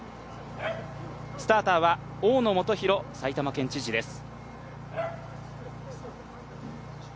スターターは大野元裕埼玉県知事です。